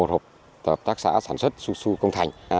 một hợp tác xã sản xuất xu xu công thành